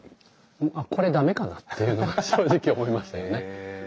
あっこれ駄目かなっていうのは正直思いましたよね。